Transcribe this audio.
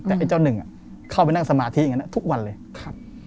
แต่ไอ้เจ้าหนึ่งเข้าไปนั่งสมาธิอย่างนั้นทุกวันเลยครับ